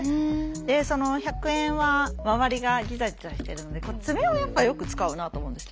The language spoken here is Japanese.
でその１００円はまわりがギザギザしてるので爪をやっぱよく使うなと思うんですけど。